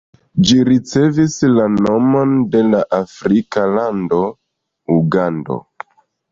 Ĝi ricevis la nomon de la afrika lando Ugando.